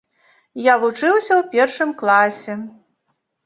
Я вучыўся ў першым класе.